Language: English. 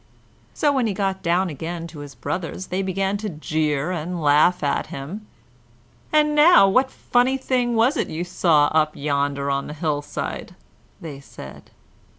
So when he got down again to his brothers, they began to jeer and laugh at him. "And now, what funny thing was it you saw up yonder on the hillside?" they said.